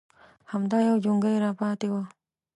_همدا يو جونګۍ راپاتې و.